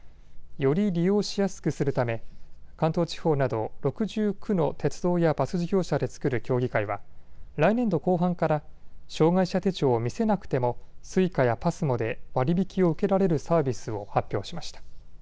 より利用しやすくするため関東地方など６９の鉄道やバス事業者で作る協議会は来年度後半から障害者手帳を見せなくてもＳｕｉｃａやＰＡＳＭＯで割引を受けられるサービスを発表しました。